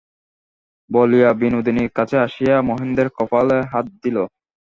বলিয়া বিনোদিনী কাছে আসিয়া মহেন্দ্রের কপালে হাত দিল।